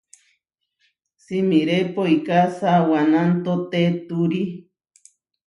Simiré poiká sawanantotéturi.